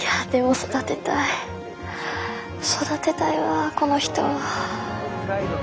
育てたいわこの人。